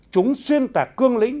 chúng xuyên tạc cương lĩnh